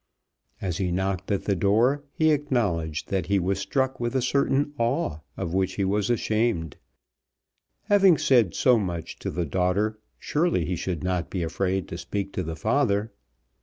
As he knocked at the door he acknowledged that he was struck with a certain awe of which he was ashamed. Having said so much to the daughter, surely he should not be afraid to speak to the father!